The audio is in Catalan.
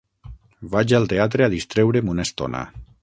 Vaig al teatre a distreure'm una estona.